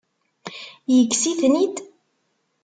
Yekkes-iten-id?